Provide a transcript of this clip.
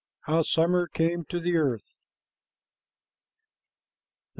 HOW SUMMER CAME TO THE EARTH. PART I.